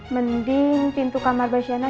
mending pintu kamar mbak shana